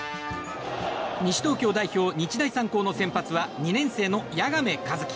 西東京代表、日大三高の先発は２年生の谷亀和希。